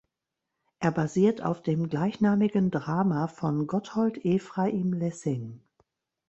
Er basiert auf dem gleichnamigen Drama von Gotthold Ephraim Lessing.